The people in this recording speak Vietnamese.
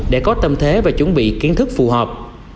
để có tâm thế và chuẩn bị kiến thức phù hợp